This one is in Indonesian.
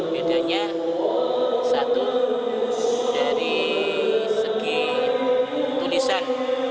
bedanya satu dari segi tulisan